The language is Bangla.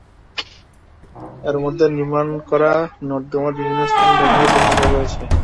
এরই মধ্যে নির্মাণ করা নর্দমার বিভিন্ন স্থান ভেঙে বেহাল হয়ে পড়েছে।